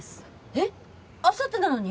えっあさってなのに？